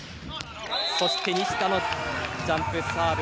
そして、西田のジャンプサーブ。